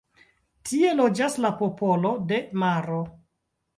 Tie loĝas la popolo de maro.